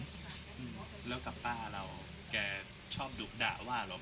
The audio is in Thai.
อืมแล้วกับป้าเราแกชอบดุด่าว่าเรา